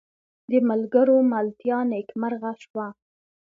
د ملګرو ملتیا نیکمرغه شوه.